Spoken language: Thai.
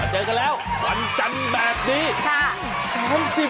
เจอกันแล้ววันจันทร์แบบนี้